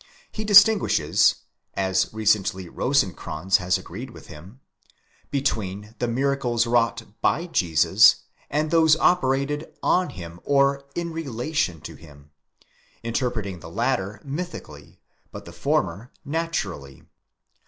He distinguishes (and recently Rosenkranz® has agreed with him) between the miracles wrought dy Jesus and those operated on him or in relation to him, interpreting the latter mythically, but the former naturally.